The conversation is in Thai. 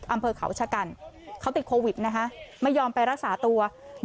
อำเภอเขาชะกันเขาติดโควิดนะคะไม่ยอมไปรักษาตัว